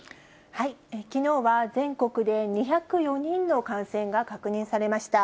きのうは全国で２０４人の感染が確認されました。